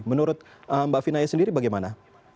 menurut mbak fina ya sendiri bagaimana